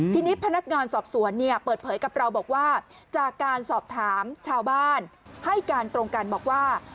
ทีนี้พนักงานสอบสวนเนี่ยเปิดเผยกับเราบอกว่าจากการสอบถามชาวบ้านให้การตรงกันบอกว่า